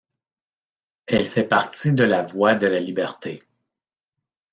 Elle fait partie de la voie de la Liberté.